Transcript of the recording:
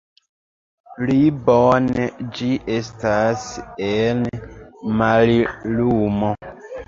Pli bone ĝi estas en mallumo.